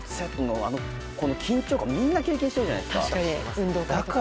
あの緊張感をみんな経験してるじゃないですか。